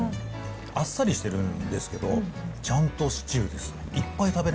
あっさりしてるんですけど、ちゃんとシチューです。